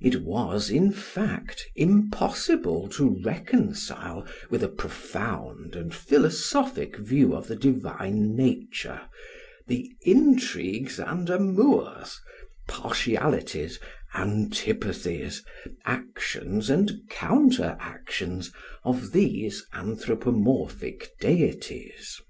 It was, in fact, impossible to reconcile with a profound and philosophic view of the divine nature the intrigues and amours, partialities, antipathies, actions and counter actions of these anthropomorphic deities.